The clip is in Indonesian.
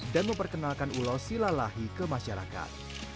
dan memperkenalkan ulos silalahi ke masyarakat